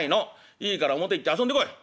いいから表行って遊んでこい！」。